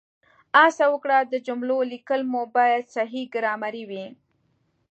هڅه وکړئ د جملو لیکل مو باید صحیح ګرامري وي